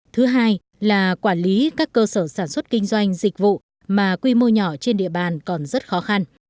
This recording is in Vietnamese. thứ hai là quản lý các cơ sở sản xuất kinh doanh dịch vụ mà quy mô nhỏ trên địa bàn còn rất khó khăn